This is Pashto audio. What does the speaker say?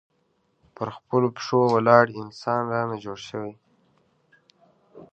پر خپلو پښو ولاړ انسان رانه جوړ شي.